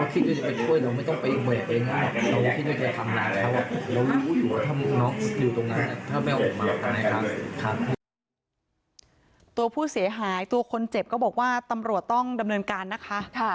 ตัวผู้เสียหายตัวคนเจ็บก็บอกว่าตำรวจต้องดำเนินการนะคะ